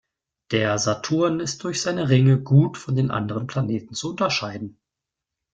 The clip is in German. Der Saturn ist durch seine Ringe gut von den anderen Planeten zu unterscheiden.